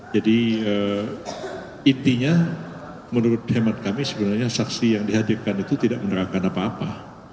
jadi intinya menurut teman kami sebenarnya saksi yang dihadirkan itu tidak menerangkan apa apa